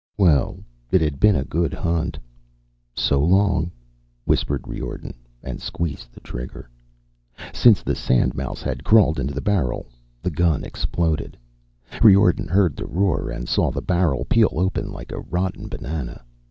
Well, it had been a good hunt. "So long," whispered Riordan, and squeezed the trigger. Since the sandmouse had crawled into the barrel, the gun exploded. Riordan heard the roar and saw the barrel peel open like a rotten banana.